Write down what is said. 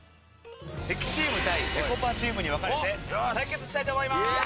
敵チーム対ぺこぱチームに分かれて対決したいと思います！